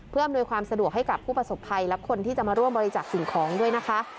เพื่ออำนวยความสะดวกให้กับผู้ประสบภัยและคนที่จะมาร่วมบริจาคสิ่งของด้วยนะคะ